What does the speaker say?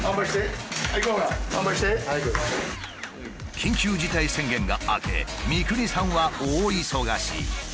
緊急事態宣言が明け三國さんは大忙し。